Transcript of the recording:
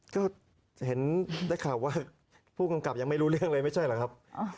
ก็เห็นได้ข่าวว่าผู้กำกับยังไม่รู้เรื่องเลยไม่ใช่เหรอครับ